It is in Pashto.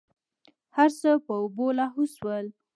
هرڅه په اوبو لاهو سول.